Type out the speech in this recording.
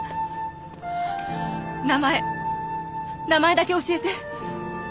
名前名前だけ教えて。